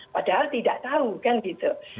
padahal tidak tahu kan gitu